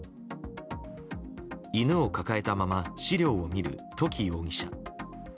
犬を抱えたまま資料を見る土岐容疑者。